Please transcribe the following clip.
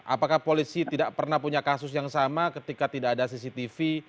apakah polisi tidak pernah punya kasus yang sama ketika tidak ada cctv